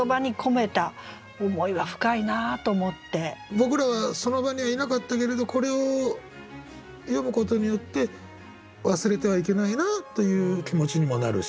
僕らはその場にはいなかったけれどこれを読むことによって忘れてはいけないなという気持ちにもなるし。